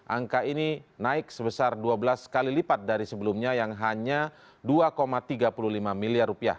angka ini naik sebesar dua belas kali lipat dari sebelumnya yang hanya rp dua tiga puluh lima miliar